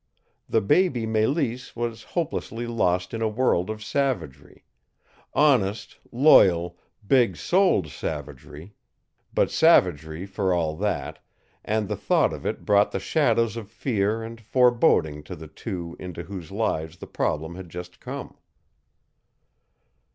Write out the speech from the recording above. The baby Mélisse was hopelessly lost in a world of savagery; honest, loyal, big souled savagery but savagery for all that, and the thought of it brought the shadows of fear and foreboding to the two into whose lives the problem had just come.